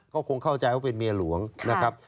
ก็คงเข้าใจว่าเป็นเมียหลวงนะครับ